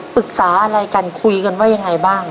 ปรึกษาอะไรกันคุยกันว่ายังไงบ้าง